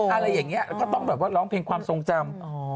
อะไรอย่างนี้ก็ต้องร้องเพลงความทรงจำ